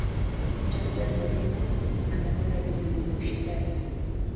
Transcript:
jose mourinho anapenda ligi zenye ushindani